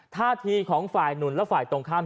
ท่าทีของฝ่ายหนุนและฝ่ายตรงข้าม